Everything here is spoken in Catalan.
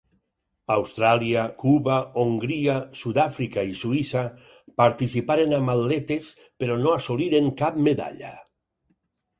Austràlia, Cuba, Hongria, Sud-àfrica, i Suïssa participaren amb atletes però no assoliren cap medalla.